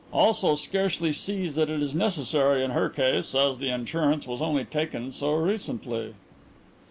Also scarcely sees that it is necessary in her case as the insurance was only taken so recently."